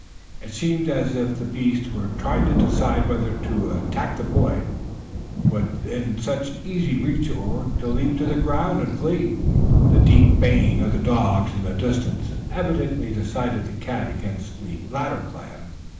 It seemed as if the beast were trying to decide whether to attack the boy within such easy reach or to leap to the ground and flee. The deep baying of the dogs in the distance evidently decided the cat against the latter plan.